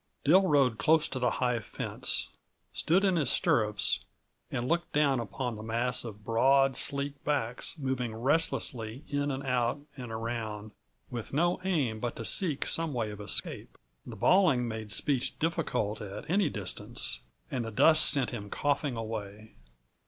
Dill rode close to the high fence, stood in his stirrups and looked down upon the mass of broad, sleek backs moving restlessly in and out and around, with no aim but to seek some way of escape. The bawling made speech difficult at any distance, and the dust sent him coughing away.